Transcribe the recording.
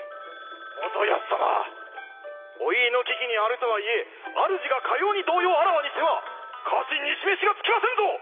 元康様お家の危機にあるとはいえあるじがかように動揺をあらわにしては家臣に示しがつきませぬぞ！